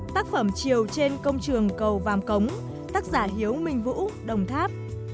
tác phẩm chiều trên công trường cầu vàm cống tác giả hiếu minh vũ đồng tháp